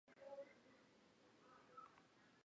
成为了这座岛的守护者。